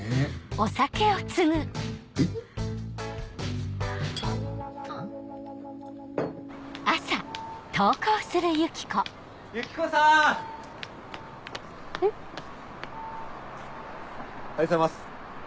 おはようございます。